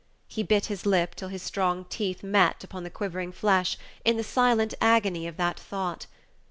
He bit his lip till his strong teeth met upon the quivering flesh, in the silent agony of that thought.